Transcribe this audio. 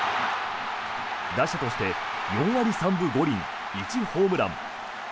打者として４割３分５厘１ホームラン。